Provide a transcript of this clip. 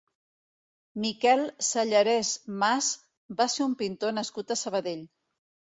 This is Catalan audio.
Miquel Sallarès Mas va ser un pintor nascut a Sabadell.